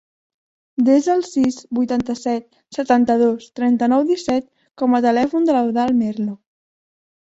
Desa el sis, vuitanta-set, setanta-dos, trenta-nou, disset com a telèfon de l'Eudald Merlo.